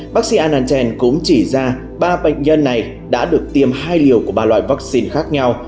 bác sĩ annachen cũng chỉ ra ba bệnh nhân này đã được tiêm hai liều của ba loại vaccine khác nhau